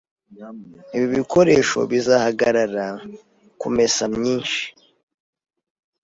Ibi bikoresho bizahagarara kumesa myinshi.